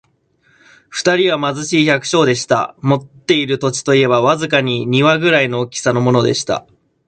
二人は貧しい百姓でした。持っている土地といえば、わずかに庭ぐらいの大きさのものでした。